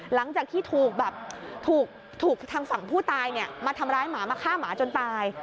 หลังจากที่ถูกแบบถูกทางฝั่งผู้ตายมาทำร้ายหมามาฆ่าหมาจนตาย